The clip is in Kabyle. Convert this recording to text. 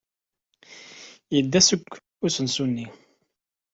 Yedda seg usensu-nni.